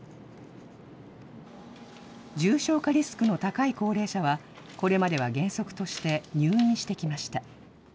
重症化リスクの高い高齢者は、これまでは原則として入院してきました。